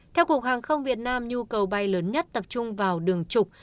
theo cục hàng không việt nam nhu cầu bay lớn nhất tập trung vào đường trục